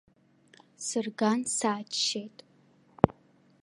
Сырган, сааччеит.